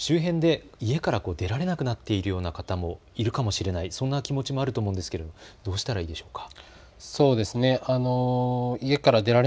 周辺で家から出られなくなっているような方もいるかもしれない、そんな気持ちもあると思うんですけれど、どうしたらいいのでしょうか。